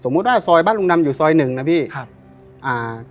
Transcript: ว่าซอยบ้านลุงดำอยู่ซอยหนึ่งนะพี่ครับอ่า